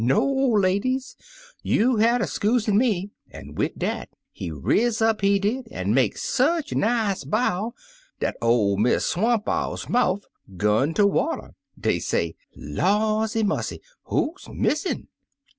No, ladies! You'll hatter skusen me!' an', wid dat, he riz up, he did, an' make sech a nice bow dat ol' Miss Swamp Owl's mouf 'gun ter water. Dey say, 'Lawsymussy! Who's missin'?'